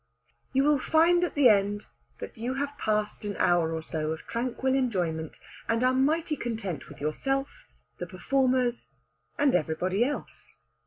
You will find at the end that you have passed an hour or so of tranquil enjoyment, and are mighty content with yourself, the performers, and every one else.